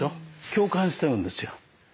共感してるんですよ。